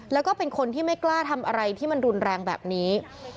แล้วก็เป็นคนที่ไม่กล้าทำอะไรที่มันรุนแรงแบบนี้